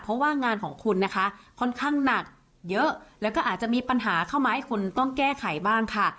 เพราะว่างานของคุณนะคะค่อนข้างหนักเยอะแล้วก็อาจจะมีปัญหาเข้ามาให้คุณต้องแก้ไขบ้างค่ะ